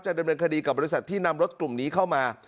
ดำเนินคดีกับบริษัทที่นำรถกลุ่มนี้เข้ามา